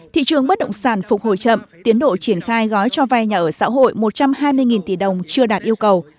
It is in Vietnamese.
thị trường bất động sản phục hồi chậm tiến độ triển khai gói cho vay nhà ở xã hội một trăm hai mươi tỷ đồng chưa đạt yêu cầu